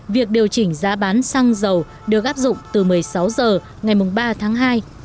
việc điều chỉnh giá bán xăng dầu được áp dụng từ một mươi sáu h ngày ba tháng hai